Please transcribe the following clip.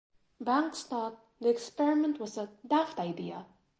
Banks thought the experiment was a "daft idea".